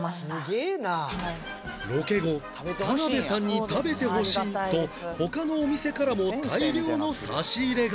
ロケ後田辺さんに食べてほしいと他のお店からも大量の差し入れが